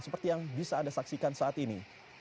seperti yang bisa anda saksikan saat ini